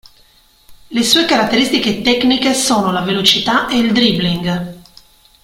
Le sue caratteristiche tecniche sono la velocità ed il dribbling.